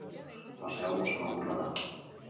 Fase hau oso laburra da.